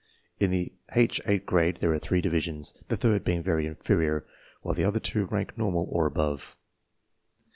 In the H 8 grade there are three divisions, the third being very inferior, while the other two rank normal or above.